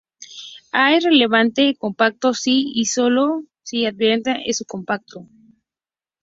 A es relativamente compacto si y solo si su adherencia es un compacto.